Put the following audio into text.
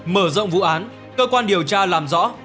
mở rộng vụ án cơ quan điều tra làm rõ